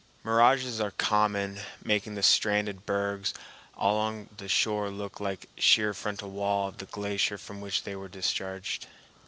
Mirages are common, making the stranded bergs along the shore look like the sheer frontal wall of the glacier from which they were discharged.